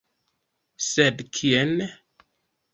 Sed kien?